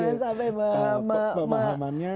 jangan sampai pemahamannya